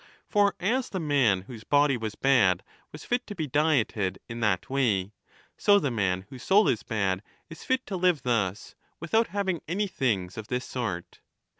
For as the man whose body was bad was fit to be dieted in that way, so the man whose soul is bad is fit to live thus, without having any things of this sort.